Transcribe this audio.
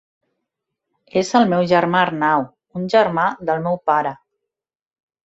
És el meu germà Arnau, un germà del meu pare.